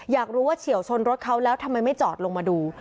อยากรู้ว่าเฉียวชนรถเขาแล้วทำไมไม่จอดลงมาดู